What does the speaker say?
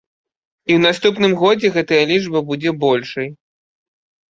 І ў наступным годзе гэтая лічба будзе большай.